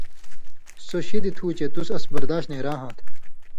سو شِدیۡ تُھو چے تُس اس برداش نېرہاں تھہ،